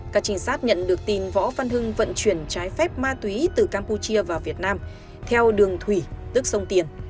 các trinh sát nhận được tin võ văn hưng vận chuyển trái phép ma túy từ campuchia vào việt nam theo đường thủy tức sông tiền